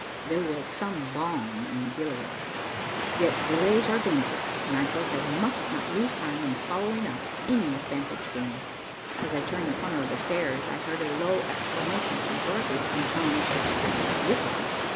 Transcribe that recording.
There was some balm in Gilead. Yet delays are dangerous, and I felt I must not lose time in following up any advantage gained. As I turned the corner of the stairs, I heard a low exclamation from Dorothy and Tom's expressive whistle.